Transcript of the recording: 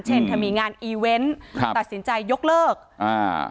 เช่นถ้ามีงานอีเวนต์ครับตัดสินใจยกเลิกอ่า